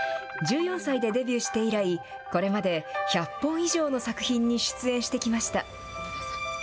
１４歳でデビューして以来、これまで１００本以上の作品に出演してきました。